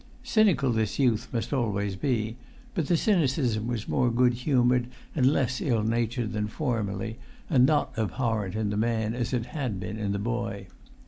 Cynical this youth must always be, but the cynicism was more good humoured and less ill natured than formerly, and not abhorrent in the man as it had been in the boy.